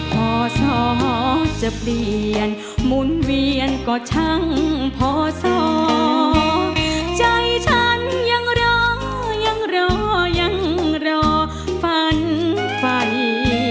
พอสอจะเปลี่ยนหมุนเวียนก็ช่างพอสอใจฉันยังรอยังรอยังรอฝันไฟ